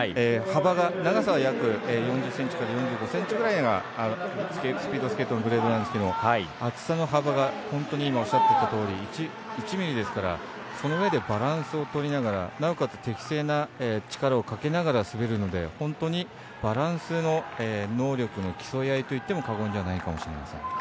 長さが約４５ｃｍぐらいがスピードスケートのブレードなんですけど厚さの幅が本当に１ミリですからその上でバランスをとりながらなおかつ適正な力をかけながら滑るので本当にバランスの能力の競い合いと言っても過言ではないかもしれません。